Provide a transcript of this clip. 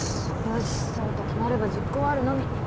よしそうと決まれば実行あるのみ。